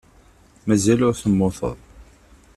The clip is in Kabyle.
Mazal ur temmuteḍ.